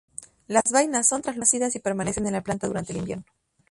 Las vainas son translúcidas y permanecen en la planta durante el invierno.